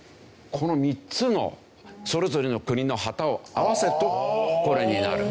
この３つのそれぞれの国の旗を合わせるとこれになる。